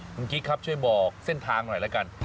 คุณกิ๊กครับช่วยบอกเส้นทางหน่อยแล้วกัน